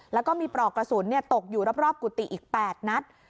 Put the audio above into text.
แล้วก็มีปลอกกระสุนตกอยู่รอบกุฏิอีก๘นัด